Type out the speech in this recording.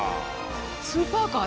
スーパーカー？